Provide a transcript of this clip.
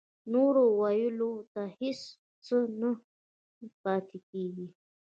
نور ویلو ته هېڅ څه نه پاتې کېږي